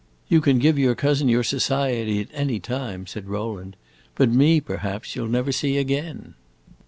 "You can give your cousin your society at any time," said Rowland. "But me, perhaps, you 'll never see again."